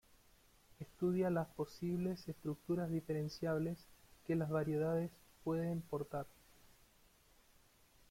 Estudia las posibles estructuras diferenciables que las variedades pueden portar.